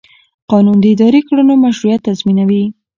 قانون د اداري کړنو مشروعیت تضمینوي.